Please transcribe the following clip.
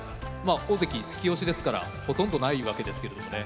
大関突き押しですからほとんどないわけですけれどもね。